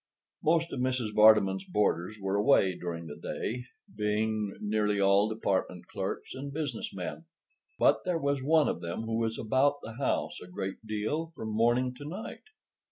Most of Mrs. Vardeman's boarders were away during the day, being nearly all department clerks and business men; but there was one of them who was about the house a great deal from morning to night.